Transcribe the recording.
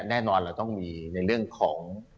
แน่นอนเราต้องมีในเรื่องของ